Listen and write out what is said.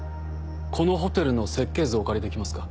このホテルの設計図をお借りできますか？